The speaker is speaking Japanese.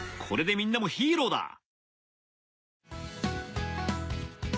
これでみんなもヒーローだ